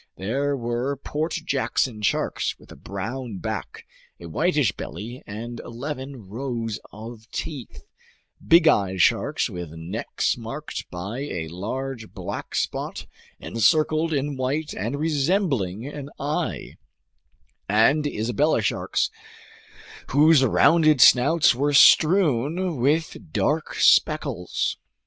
There were Port Jackson sharks with a brown back, a whitish belly, and eleven rows of teeth, bigeye sharks with necks marked by a large black spot encircled in white and resembling an eye, and Isabella sharks whose rounded snouts were strewn with dark speckles.